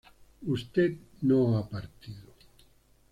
usted no ha partido